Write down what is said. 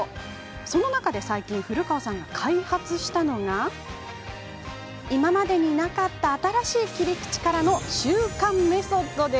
その中で最近古川さんが開発したのが今までになかった新しい切り口からの習慣メソッド。